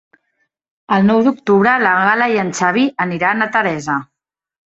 El nou d'octubre na Gal·la i en Xavi aniran a Teresa.